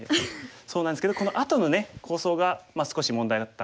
そうなんですけどこのあとのね構想が少し問題だったかもしれませんね。